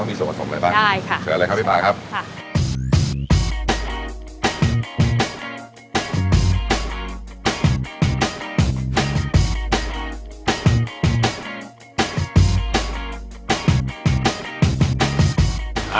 มีส่วนผสมอะไรบ้างใช่ค่ะใส่อะไรครับพี่ป่าครับค่ะ